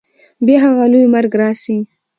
بیا هغه لوی مرګ راسي